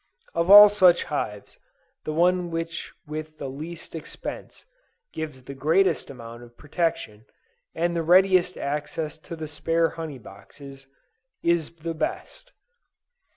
Of all such hives, the one which with the least expense, gives the greatest amount of protection, and the readiest access to the spare honey boxes, is the best.